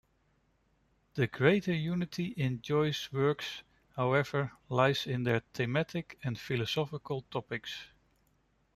The greater unity in Joyce's works, however, lies in their thematic and philosophical topics.